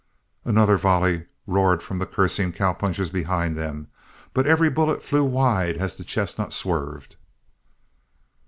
Another volley roared from the cursing cowpunchers behind them, but every bullet flew wide as the chestnut swerved.